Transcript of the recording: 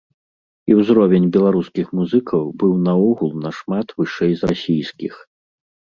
І ўзровень беларускіх музыкаў быў наогул нашмат вышэй за расійскіх.